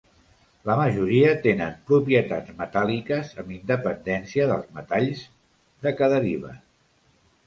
La majoria tenen propietats metàl·liques amb independència dels metalls de què deriven.